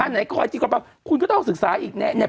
อ่าแต่คอยจริงกันบางคนก็ต้องศึกษาอีกแน่